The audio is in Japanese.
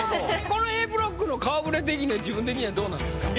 これＡブロックの顔ぶれ的には自分的にはどうなんですか？